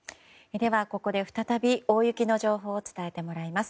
では、ここで再び大雪の情報を伝えてもらいます。